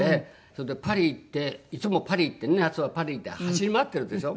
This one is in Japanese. それでパリ行っていつもパリ行ってね夏はパリ行って走り回ってるでしょ？